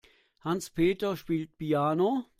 Hans-Peter spielt Piano.